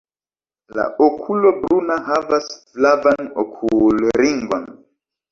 La okulo bruna havas flavan okulringon.